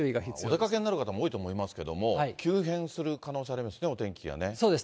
お出かけになる方も多いと思いますけども、急変する可能性あそうです。